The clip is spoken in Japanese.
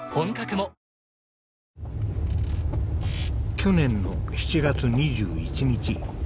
去年の７月２１日。